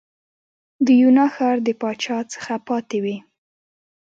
د یونا ښار د پاچا څخه پاتې وې.